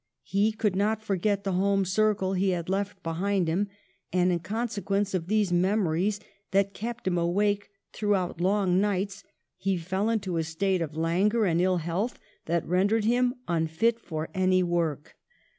He could not forget the home circle he had left behind him; and in consequence of these memories that kept him awake throughout long nights he fell into a state of languor and ill health that rendered him unfit for any work.